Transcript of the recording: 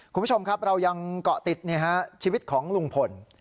คุณผู้ชมครับเรายังเกาะติดชีวิตของลุงพล